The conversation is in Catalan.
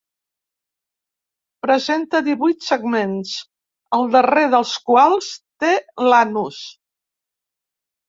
Presenta divuit segments, al darrer dels quals té l'anus.